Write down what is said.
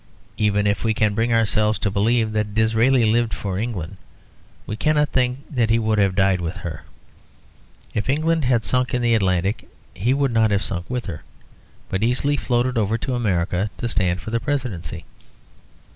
Even if we can bring ourselves to believe that Disraeli lived for England, we cannot think that he would have died with her. If England had sunk in the Atlantic he would not have sunk with her, but easily floated over to America to stand for the Presidency.